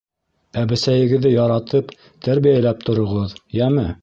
Ә бесәйегеҙҙе яратып, тәрбиәләп тороғоҙ, йәме!